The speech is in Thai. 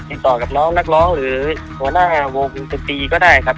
ติดต่อกับน้องนักร้องหรือหัวหน้าวงสตรีก็ได้ครับ